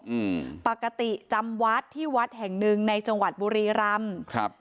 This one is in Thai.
อืมปกติจำวัดที่วัดแห่งหนึ่งในจังหวัดบุรีรำครับ